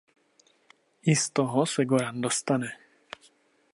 I z toho se Goran dostane.